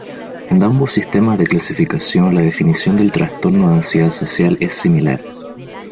En ambos sistemas de clasificación la definición del trastorno de ansiedad social es similar.